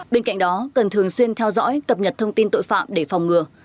bên cạnh đó cần thường xuyên theo dõi cập nhật thông tin tội phạm để phòng ngừa